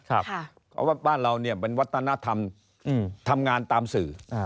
เพราะว่าบ้านเราเป็นวัฒนธรรมทำงานตามสื่อ